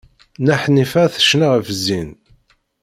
Nna Ḥnifa tecna ɣef zzin.